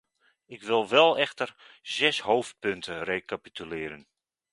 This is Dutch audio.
Ik wil echter wel zes hoofdpunten recapituleren.